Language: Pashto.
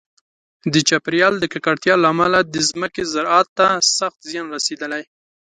د چاپیریال د ککړتیا له امله د ځمکې زراعت ته سخت زیان رسېدلی.